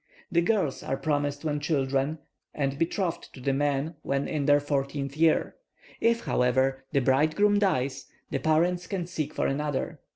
The girls are promised when children, and betrothed to the man when in their fourteenth year; if, however, the bridegroom dies, the parents can seek for another.